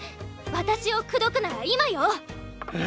私をくどくなら今よ！へ？